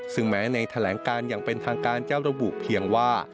ซึ่งแม้ในแถลงการอย่างเป็นทางการจะระบุเพียงว่า